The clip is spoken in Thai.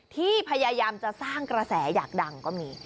ที่พยายามจะสร้างกระแสอยากดังก็มี